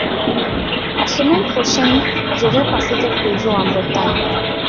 La semaine prochaine, je vais passer quelques jours en Bretagne.